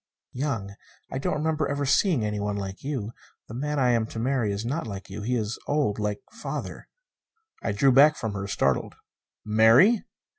"Young. I don't remember ever seeing anyone like you. The man I am to marry is not like you. He is old, like father " I drew back from her, startled. "Marry?"